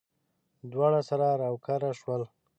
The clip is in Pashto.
دواړه سره راوکاره شول.